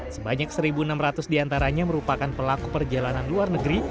sebanyak satu enam ratus diantaranya merupakan pelaku perjalanan luar negeri